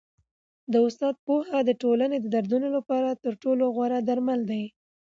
د استاد پوهه د ټولني د دردونو لپاره تر ټولو غوره درمل دی.